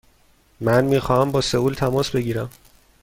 من می خواهم با سئول تماس بگیرم.